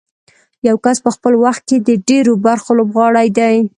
یو کس په خپل وخت کې د ډېرو برخو لوبغاړی دی.